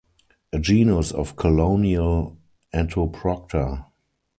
A genus of colonial Entoprocta.